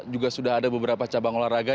juga sudah ada beberapa cabang olahraga